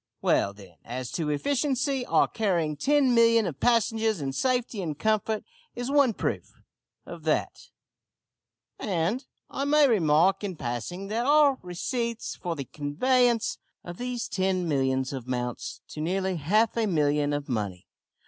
Well, then, as to efficiency. Our carrying ten millions of passengers in safety and comfort is one proof of that and, I may remark in passing, that our receipts for the conveyance of these ten millions amounts to nearly half a million of money.